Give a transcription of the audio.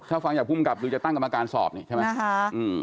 ถ้าฟังจากภูมิกับดูจะตั้งกรรมการสอบนี่ใช่ไหม